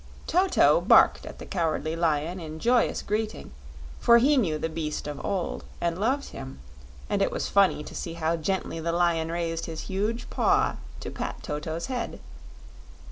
Toto barked at the Cowardly Lion in joyous greeting, for he knew the beast of old and loved him, and it was funny to see how gently the Lion raised his huge paw to pat Toto's head.